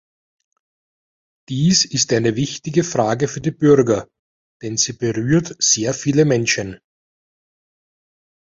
Dies ist eine wichtige Frage für die Bürger, denn sie berührt sehr viele Menschen.